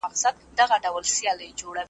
او سمدستي مي څو عکسونه واخیستل .